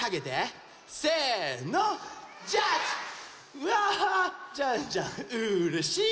うわジャンジャンうれしい！